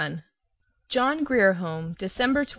JOHN GRIER HOME, December 29.